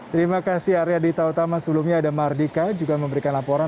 terima kasih arya dita utama sebelumnya ada mardika juga memberikan laporan